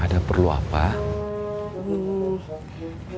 gak ada perlu apa apa kang